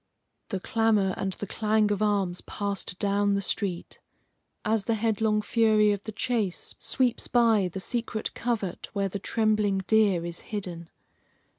The clamor and the clang of arms passed down the street as the headlong fury of the chase sweeps by the secret covert where the trembling deer is hidden.